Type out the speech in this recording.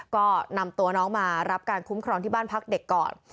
ก็นำตัวน้องมารับการคุ้มครองที่บ้านพักเด็กก่อน